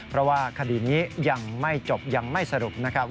เพราะว่าคดีนี้ยังไม่จบยังไม่สรุปนะครับ